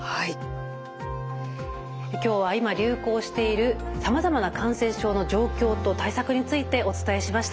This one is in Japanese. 今日は今流行しているさまざまな感染症の状況と対策についてお伝えしました。